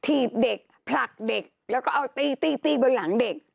ถีบเด็กผลักเด็กแล้วก็เอาตีตี้บนหลังเด็ก